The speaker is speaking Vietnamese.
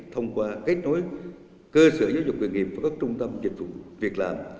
thông qua kết nối cơ sở giới dục nghề nghiệp với các trung tâm dịch vụ việc làm